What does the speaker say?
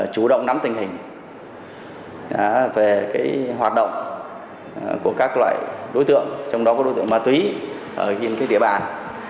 chủ động nắm tình hình về hoạt động của các loại đối tượng trong đó có đối tượng ma túy ở trên địa bàn